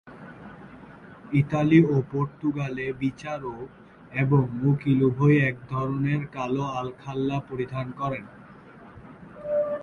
Italy ও পর্তুগালে বিচারক এবং উকিল উভয়ই এক ধরনের কালো আলখাল্লা পরিধান করেন।